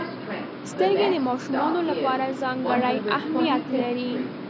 • سترګې د ماشومانو لپاره ځانګړې اهمیت لري.